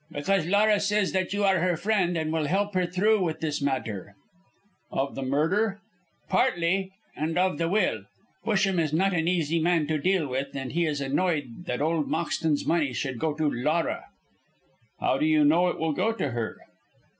"Because Laura says that you are her friend, and will help her through with this matter." "Of the murder." "Partly, and of the will. Busham is not an easy man to deal with, and he is annoyed that old Moxton's money should go to Laura." "How do you know it will go to her?"